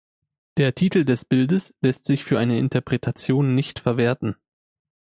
Der Titel des Bildes lässt sich für eine Interpretation nicht verwerten.